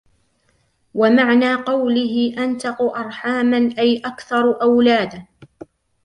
وَمَعْنَى قَوْلِهِ أَنْتَقُ أَرْحَامًا أَيْ أَكْثَرُ أَوْلَادًا